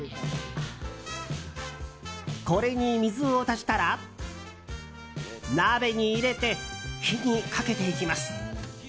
これに水を足したら鍋に入れて火にかけていきます。